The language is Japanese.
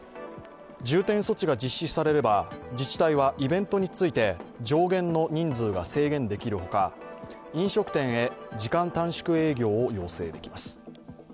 重点措置が実施されれば自治体はイベントについて上限の人数が制限できるほか、飲食店へ時間短縮営業を要請できます。